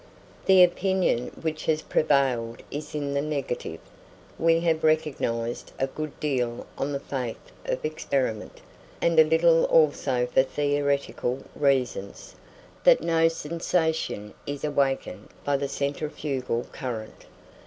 The opinion which has prevailed is in the negative. We have recognised a good deal on the faith of experiment, and a little also for theoretical reasons that no sensation is awakened by the centrifugal current.